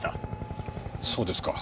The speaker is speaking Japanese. そうですか。